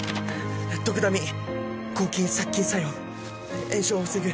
「ドクダミ抗菌殺菌作用炎症を防ぐ」